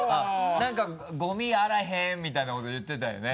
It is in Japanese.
何か「ゴミあらへん」みたいなこと言ってたよね。